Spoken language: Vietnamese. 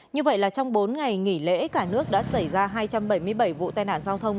như vậy là trong bốn ngày nghỉ lễ cả nước đã xảy ra hai trăm bảy mươi bảy vụ tai nạn giao thông